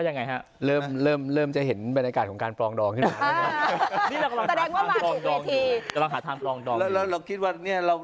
ยังจะให้คุณกรวมพูดพอดีเลย